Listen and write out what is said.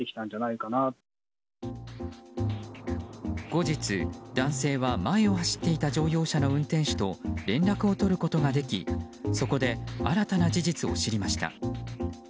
後日、男性は前を走っていた乗用車の運転手と連絡を取ることができそこで新たな事実を知りました。